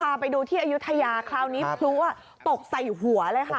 พาไปดูที่อายุทยาคราวนี้พลุตกใส่หัวเลยค่ะ